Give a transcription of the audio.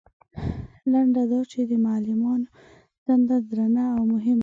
لنډه دا چې د معلمانو دنده درنه او مهمه ده.